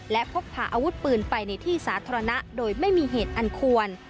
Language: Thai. และพกพาอาวุธปืนไปในที่สาธารณะโดยไม่มีเหตุอันควร